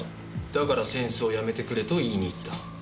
だから扇子をやめてくれと言いに行った？